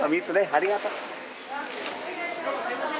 ありがとう。